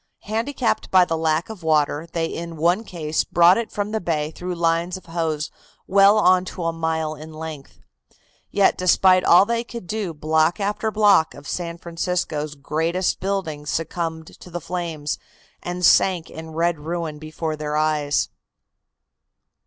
Handicapped by the lack of water, they in one case brought it from the bay through lines of hose well on to a mile in length. Yet despite all they could do block after block of San Francisco's greatest buildings succumbed to the flames and sank in red ruin before their eyes.